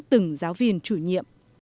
từng giáo viên chủ nhiệm